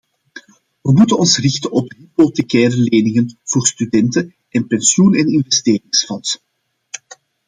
We moeten ons richten op hypothecaire leningen voor studenten en pensioen- en investeringsfondsen.